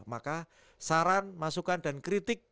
maka saran masukan dan kritik